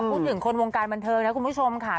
พูดถึงคนวงการบันเทิงนะคุณผู้ชมค่ะ